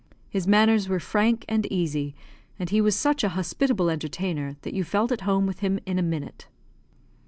His manners were frank and easy, and he was such a hospitable entertainer that you felt at home with him in a minute.